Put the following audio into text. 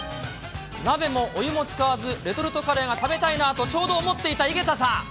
鍋もお湯も使わず、レトルト食品を食べたいなとちょうど思っていた井桁さん。